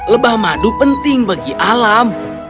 lebah madu penting bagi alam